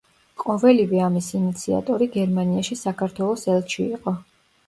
ყოველივე ამის ინიციატორი გერმანიაში საქართველოს ელჩი იყო.